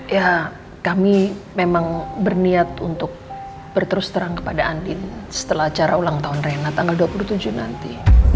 ya kami memang berniat untuk berterus terang kepada andin setelah acara ulang tahun renat tanggal dua puluh tujuh nanti